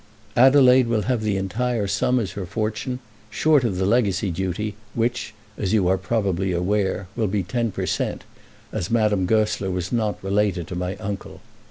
Adelaide will have the entire sum as her fortune, short of the legacy duty, which, as you are probably aware, will be ten per cent., as Madame Goesler was not related to my uncle.